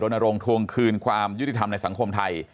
ลงทวงคืนความยุติธรรมในสังคมไทย